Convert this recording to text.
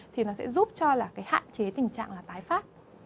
thì nó sẽ giúp cho hạn chế tình trạng là tái phát